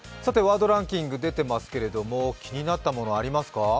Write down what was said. ワードランキング、出ていますけれども、気になったものはありますか？